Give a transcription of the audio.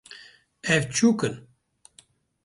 Ev çûk in